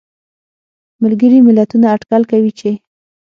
ملګري ملتونه اټکل کوي چې